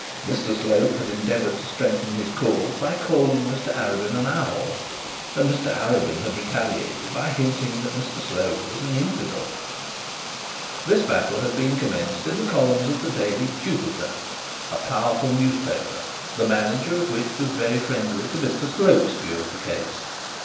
Mr Slope had endeavoured to strengthen his cause by calling Mr Arabin an owl, and Mr Arabin had retaliated by hinting that Mr Slope was an infidel. This battle had been commenced in the columns of the daily Jupiter, a powerful newspaper, the manager of which was very friendly to Mr Slope's view of the case.